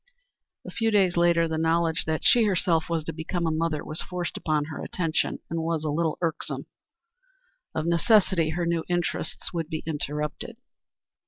A few days later the knowledge that she herself was to become a mother was forced upon her attention, and was a little irksome. Of necessity her new interests would be interrupted.